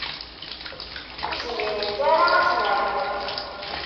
Ur zmirent ara ad ten-rnunt.